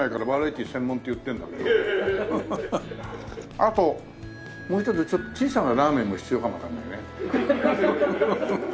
あともう一つちょっと小さなラーメンも必要かもわかんないね。